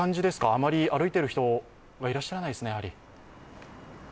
あまり歩いている人はいらっしゃらないですね、やはり。